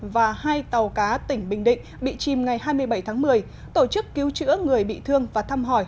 và hai tàu cá tỉnh bình định bị chìm ngày hai mươi bảy tháng một mươi tổ chức cứu chữa người bị thương và thăm hỏi